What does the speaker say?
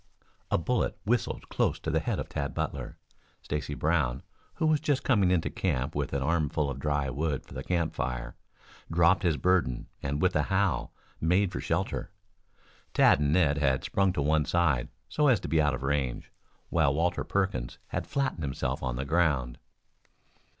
A bullet whistled close to the head of Tad Butler. Stacy Brown, who was just coming into camp with an armful of dry wood for the campfire, dropped his burden and with a howl made for shelter. Tad and Ned had sprung to one side so as to be out of range, while Walter Perkins had flattened himself on the ground.